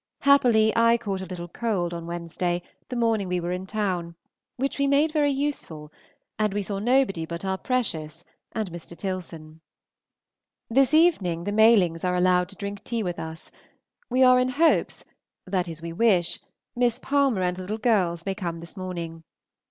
Happily I caught a little cold on Wednesday, the morning we were in town, which we made very useful, and we saw nobody but our precious and Mr. Tilson. This evening the Malings are allowed to drink tea with us. We are in hopes that is, we wish Miss Palmer and the little girls may come this morning.